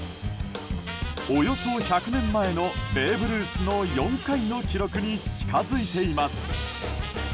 およそ１００年前のベーブ・ルースの４回の記録に近づいています。